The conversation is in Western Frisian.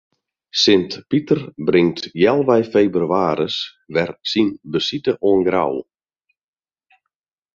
Sint Piter bringt healwei febrewaris wer syn besite oan Grou.